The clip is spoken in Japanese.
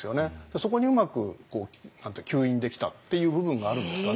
そこにうまく吸引できたっていう部分があるんですかね。